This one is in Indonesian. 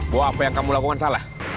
bahwa apa yang kamu lakukan salah